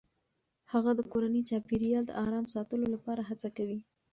هغه د کورني چاپیریال د آرام ساتلو لپاره هڅه کوي.